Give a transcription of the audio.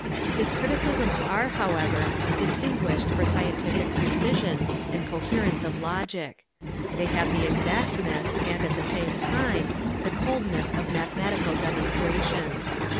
His criticisms are, however, distinguished for scientific precision and coherence of logic. They have the exactness, and at the same time, the coldness of mathematical demonstrations.